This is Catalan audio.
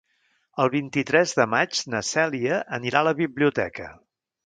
El vint-i-tres de maig na Cèlia anirà a la biblioteca.